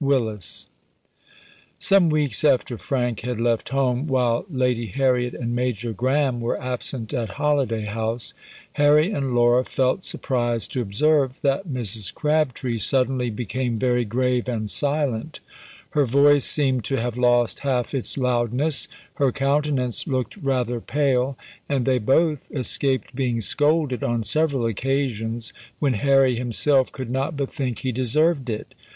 Willis. Some weeks after Frank had left home, while lady Harriet and Major Graham were absent at Holiday House, Harry and Laura felt surprised to observe, that Mrs. Crabtree suddenly became very grave and silent, her voice seemed to have lost half its loudness, her countenance looked rather pale, and they both escaped being scolded on several occasions, when Harry himself could not but think he deserved it.